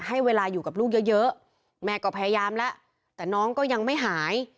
ให้เวลาอยู่กับลูกเยอะแม่ก็พยายามแล้วแต่น้องก็ยังไม่หาย